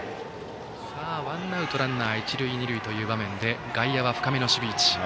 ワンアウトランナー、一塁二塁という場面で外野は深めの守備位置。